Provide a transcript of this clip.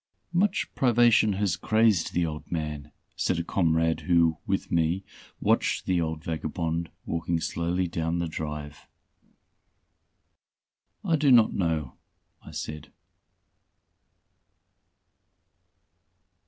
"Much privation has crazed the old man," said a comrade who, with me, watched the old vagabond walking slowly down the drive. "I do not know," I said.